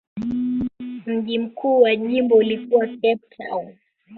Mji mkuu wa jimbo ulikuwa Cape Town.